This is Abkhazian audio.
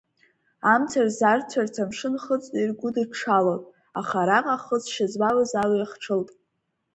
Амца рзарцәарц амшын хыҵны иргәыдыҽҽалон, аха араҟа хыҵшьа змамыз алҩа хчылт.